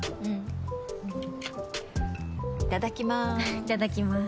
いただきます。